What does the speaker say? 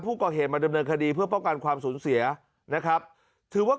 ผู้ก่อเหตุมาดำเนินคดีเพื่อป้องกันความสูญเสียนะครับถือว่า